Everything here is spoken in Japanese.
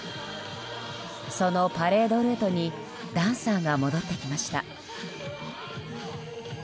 そのパレードルートにダンサーが戻ってきました。